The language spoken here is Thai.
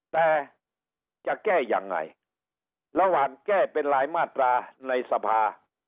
แต่จะแก้ยังไงระหว่างแก้เป็นรายมาตราในสภา